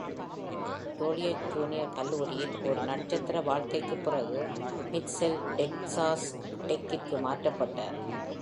Joliot junior கல்லூரியில் ஒரு நட்சத்திர வாழ்க்கைக்குப் பிறகு, மிட்செல் டெக்சாஸ் டெக்கிற்கு மாற்றப்பட்டார்.